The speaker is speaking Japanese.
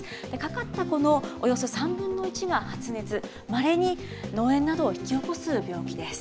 かかった子のおよそ３分の１が発熱、まれに脳炎などを引き起こす病気です。